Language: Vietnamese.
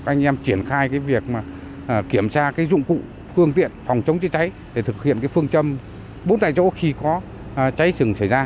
anh em triển khai việc kiểm tra dụng cụ phương tiện phòng chống cháy để thực hiện phương châm bốn tại chỗ khi có cháy rừng xảy ra